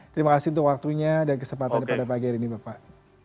terima kasih untuk waktunya dan kesempatan pada pagi hari ini bapak